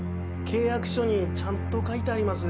契約書にちゃんと書いてあります。